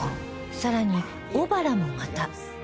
さらに小原もまた